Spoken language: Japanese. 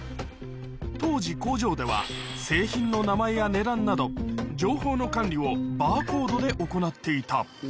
当時、工場では、製品の名前や値段など、情報の管理をバーコードで行っていた。